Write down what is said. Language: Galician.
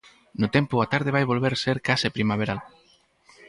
No tempo, a tarde vai volver ser case primaveral.